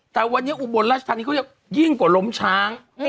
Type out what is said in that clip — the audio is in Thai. แต่วันนี้อุบลราชธานีเขาจะยิ่งกว่าล้มช้าง